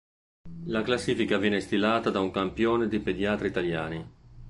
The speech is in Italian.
La classifica viene stilata da un campione di pediatri italiani.